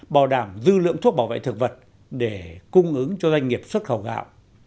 bảo đảm dư lượng thuốc bảo vệ thực vật để cung ứng cho doanh nghiệp xuất khẩu gạo